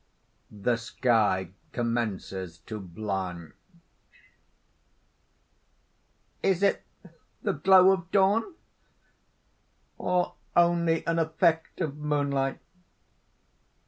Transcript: _ The sky commences to blanch.) "Is it the glow of dawn, or only an effect of moonlight?"